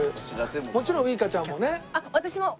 もちろんウイカちゃんもね。